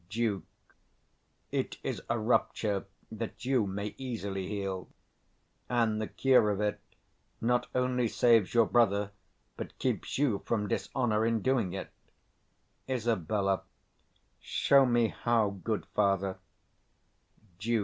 Duke. It is a rupture that you may easily heal: and the cure of it not only saves your brother, but keeps you from dishonour in doing it. 225 Isab. Show me how, good father.